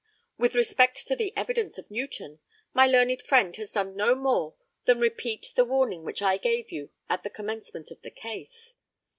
With respect to the evidence of Newton, my learned friend has done no more than repeat the warning which I gave you at the commencement of the case.